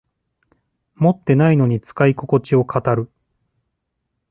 持ってないのに使いここちを語る